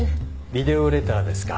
ビデオレターですか。